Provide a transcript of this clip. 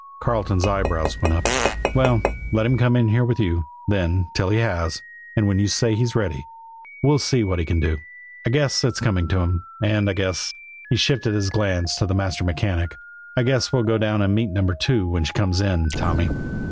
Carleton's eyebrows went up. "Well, let him come in here with you, then, till he has; and when you say he's ready, we'll see what we can do. I guess it's coming to him; and I guess" he shifted his glance to the master mechanic "I guess we'll go down and meet Number Two when she comes in, Tommy."